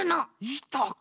いたか。